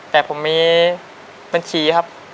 แต่ผมมีบัญชีครับ